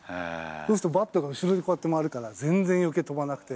そうすると、バットが後ろにこうやって回るから、全然よけい飛ばなくて。